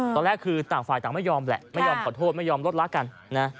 ตอนแรกคือต่างฝ่ายต่างไม่ยอมแหละไม่ยอมขอโทษไม่ยอมลดละกันนะ